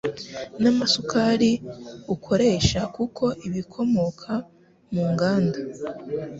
n'amasukari ukoresha kuko ibikomoka mu nganda